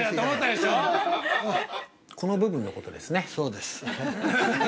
この部分のことですね。